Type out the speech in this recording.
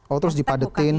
oh terus dipadetin